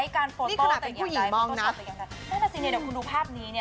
นี่ขนาดเป็นผู้หญิงมองนะเมื่อนาทีเนี่ยคุณดูภาพนนี้